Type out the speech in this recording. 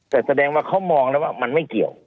แต่แสดงว่าเขามองแล้วว่ามันไม่เกี่ยว